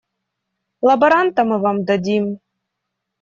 Лаборанта мы вам дадим.